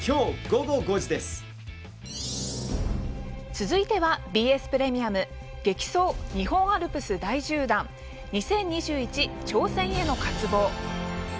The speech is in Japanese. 続いては、ＢＳプレミアム「激走！日本アルプス大縦断２０２１挑戦への渇望」。